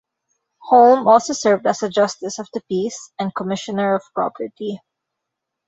Holme also served as a justice of the peace and commissioner of property.